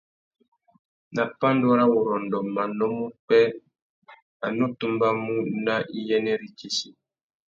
Nà pandúrâwurrôndô manô má upwê, a nù tumbamú nà iyênêritsessi.